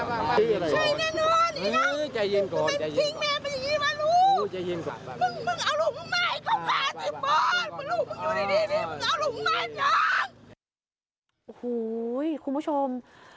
โอ้โหคุณผู้ชม